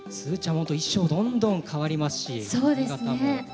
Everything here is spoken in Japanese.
本当衣装どんどん変わりますし髪形も。